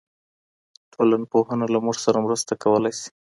ټولنپوهنه له موږ سره مرسته کولای سي.